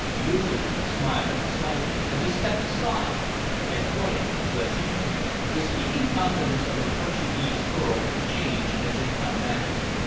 Yoosoof smiled slightly as he stepped aside and pointed to Azinte. The speaking countenance of the Portuguese girl changed as if by magic.